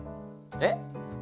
えっ？